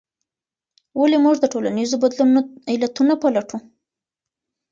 ولې موږ د ټولنیزو بدلونونو علتونه پلټو؟